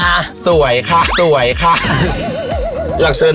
น่ารักกระต่าย